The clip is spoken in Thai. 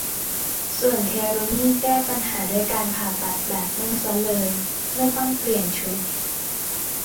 ส่วนเทรุนี่แก้ปัญหาด้วยการผ่าตัดแบบ แม่งซะเลย ไม่ต้องเปลี่ยนชุด